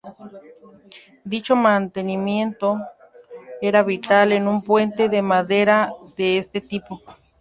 Dicho mantenimiento era vital en un puente de madera de este tipo.